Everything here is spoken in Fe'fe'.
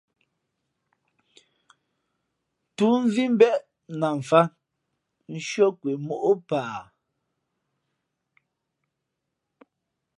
Tú mvī mbéʼ na mfāt nshʉ́ά kwe móʼ paa.